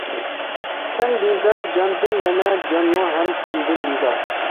تەن بىزار جاندىن يەنە جانمۇ ھەم تەندىن بىزار.